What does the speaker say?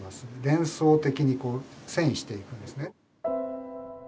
連想的に遷移していくんですね。